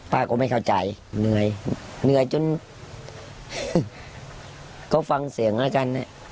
ก็ไม่เข้าใจเหนื่อยเหนื่อยจนก็ฟังเสียงแล้วกัน